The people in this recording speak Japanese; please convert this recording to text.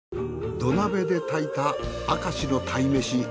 土鍋で炊いた明石の鯛めし。